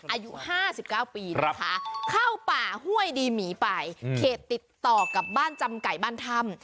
อายุ๕๙ปีนะคะเข้าป่าห้วยดีหมีไปเขตติดต่อกับบ้านจำไก่บ้านถ้ำ